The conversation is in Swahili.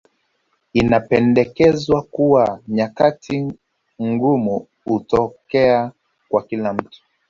Inapendekezwa kuwa nyakati ngumu hutokea kwa kila mtu